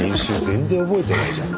全然覚えてないじゃん。